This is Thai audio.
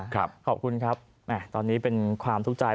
ขอบคุณครับตอนนี้เป็นความทุกข์ใจ